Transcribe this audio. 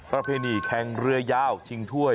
ประเพณีแข่งเรือยาวชิงถ้วย